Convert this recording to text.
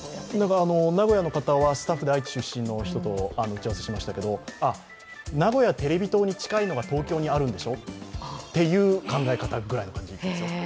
名古屋の方はスタッフ、愛知出身の方と打ち合わせしましたけれども名古屋テレビ塔に近いのが東京にあるんでしょ？という考え方ぐらいの感じです。